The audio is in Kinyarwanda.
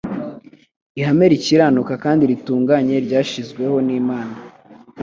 Ihame rikiranuka kandi ritunganye ryashyizweho n'Imana,